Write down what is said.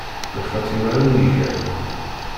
Lxatima am yiger.